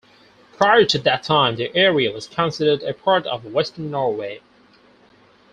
Prior to that time, the area was considered a part of Western Norway.